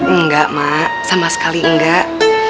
enggak mak sama sekali enggak